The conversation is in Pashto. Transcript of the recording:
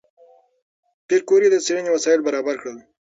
پېیر کوري د څېړنې وسایل برابر کړل.